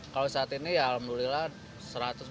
kalau saat ini ya alhamdulillah seratus mah nyampe